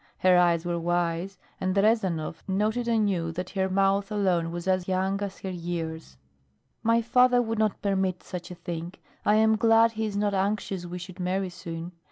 Her eyes were wise, and Rezanov noted anew that her mouth alone was as young as her years. "My father would not permit such a thing. I am glad he is not anxious we should marry soon.